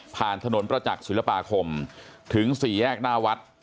ถนนประจักษ์ศิลปาคมถึงสี่แยกหน้าวัด